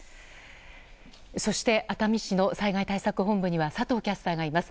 そして熱海市の災害対策本部には佐藤キャスターがいます。